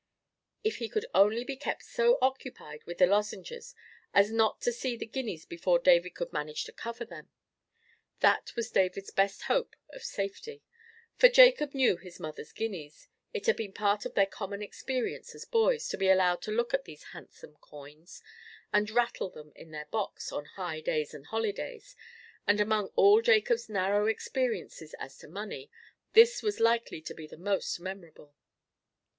If he could only be kept so occupied with the lozenges as not to see the guineas before David could manage to cover them! That was David's best hope of safety; for Jacob knew his mother's guineas; it had been part of their common experience as boys to be allowed to look at these handsome coins, and rattle them in their box on high days and holidays, and among all Jacob's narrow experiences as to money, this was likely to be the most memorable.